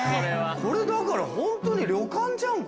これだからホントに旅館じゃんこれ。